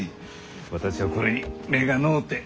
私はこれに目がのうて。